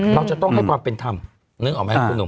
เราจะต้องให้ความเป็นธรรมนึกออกไหมคุณหนุ่ม